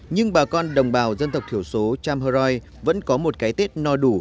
nhưng bà con đồng bào dân tộc thiểu số tram hơ roi vẫn có một cái tết no đủ